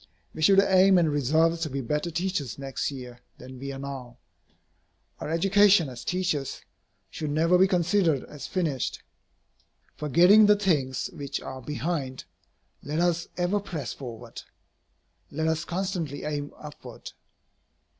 We should aim and resolve to be better teachers next year than we are now. Our education as teachers should never be considered as finished. Forgetting the things which are behind, let us ever press forward. Let us constantly aim upward.